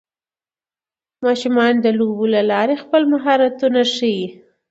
ماشومان د لوبو له لارې خپل مهارتونه وښيي